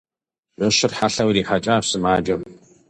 Жэщыр хьэлъэу ирихьэкӀащ сымаджэм.